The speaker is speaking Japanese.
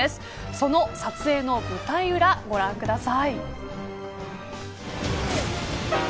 その撮影の舞台裏ご覧ください。